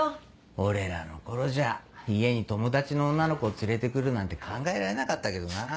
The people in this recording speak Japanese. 俺らの頃じゃ家に友達の女の子を連れてくるなんて考えられなかったけどなぁ。